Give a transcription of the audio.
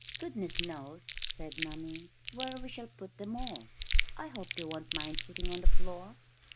"Goodness knows," said Mummy, "where we shall put them all. I hope they won't mind sitting on the floor."